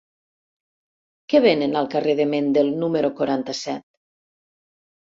Què venen al carrer de Mendel número quaranta-set?